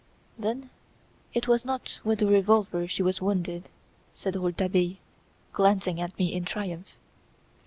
"Then it was not with the revolver she was wounded," said Rouletabille, glancing at me in triumph.